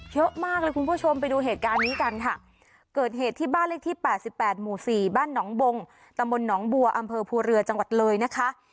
เยอะมากเลยคุณผู้ชมไปดูเหตุการณ์นี้กันค่ะเกิดเหตุที่บ้านเลขที่๘๘หมู่๔บ้านหนองบงตำบลหนองบัวอำเภอภูเรือจังหวัดเลยนะคะ